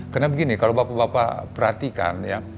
karena begini kalau bapak bapak perhatikan ya